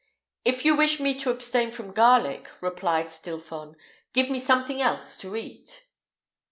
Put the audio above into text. "If you wish me to abstain from garlic," replied Stilphon, "give me something else to eat."